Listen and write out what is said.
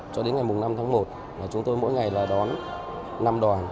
với số lượng lớn